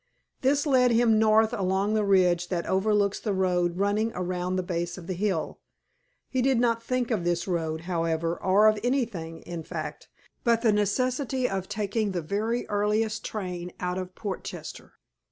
This led him north along the ridge that overlooks the road running around the base of the hill. He did not think of this road, however, or of anything, in fact, but the necessity of taking the very earliest train out of Portchester.